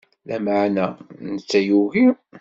Lameɛna, netta yugi.